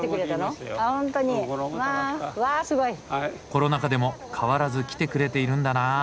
コロナ禍でも変わらず来てくれているんだなあ。